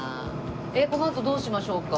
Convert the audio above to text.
このあとどうしましょうか？